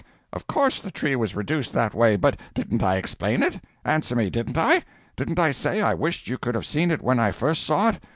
Of course the tree was reduced that way, but didn't I explain it? Answer me, didn't I? Didn't I say I wished you could have seen it when I first saw it?